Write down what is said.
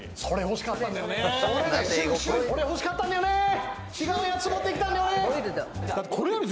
それ欲しかったんだよね。